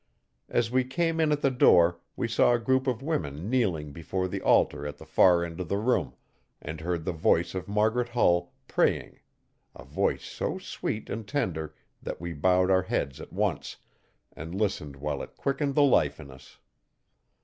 As we came in at the door we saw a group of women kneeling before the altar at the far end of the room, and heard the voice of Margaret Hull praying, a voice so sweet and tender that we bowed our heads at once, and listened while it quickened the life in us.